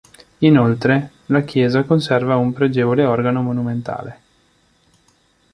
Inoltre, la chiesa conserva un pregevole organo monumentale.